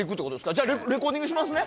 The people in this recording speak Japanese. じゃあ、レコーディングしますね。